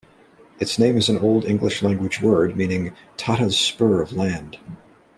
Its name is an Old English language word meaning 'Tatta's spur of land'.